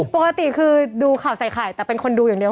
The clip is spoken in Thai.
ปกติคือดูข่าวใส่ไข่แต่เป็นคนดูอย่างเดียว